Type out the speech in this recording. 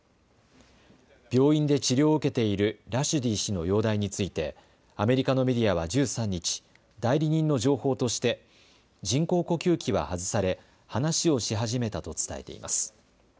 病院で治療を受けているラシュディ氏の容体についてアメリカのメディアは１３日、代理人の情報として人工呼吸器は外され話をし始めたと伝えています。